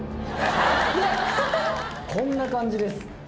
こんな感じです。